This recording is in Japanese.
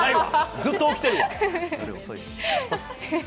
ずっと起きてるよ。